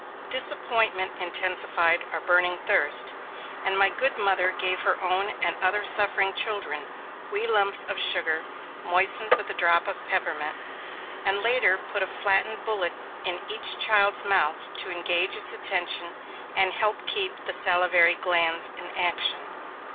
Disappointment intensified our burning thirst, and my good mother gave her own and other suffering children wee lumps of sugar, moistened with a drop of peppermint, and later put a flattened bullet in each child's mouth to engage its attention and help keep the salivary glands in action.